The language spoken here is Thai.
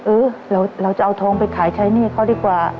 เออเราจะเอาทองไปขายใช้หนี้เขาดีกว่า